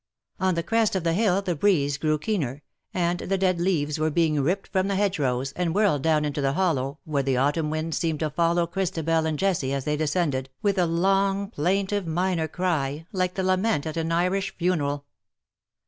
On the crest of the hill the breeze grew keener, and the dead leaves were being ripped from the hedgerows, and whirled down into the hollow, where the autumn wind seemed to follow Christabel and Jessie as they descended, with a long plaintive minor cry, like the lament at an Irish funeral.